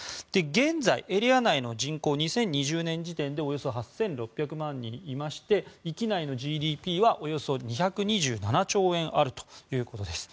現在、エリア内の人口は２０２０年時点でおよそ８６００万人いまして域内のＧＤＰはおよそ２２７兆円あるということです。